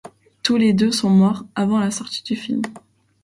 Tous les deux sont morts avant la sortie du film.